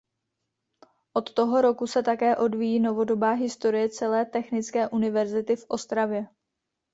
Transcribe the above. Od toho roku se také odvíjí novodobá historie celé technické univerzity v Ostravě.